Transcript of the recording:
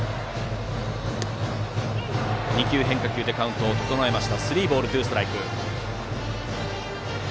２球変化球でカウントを整えた。